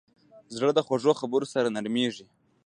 زړه د خوږو خبرو سره نرمېږي.